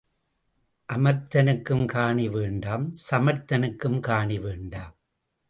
அமர்த்தனுக்கும் காணி வேண்டாம் சமர்த்தனுக்கும் காணி வேண்டாம்.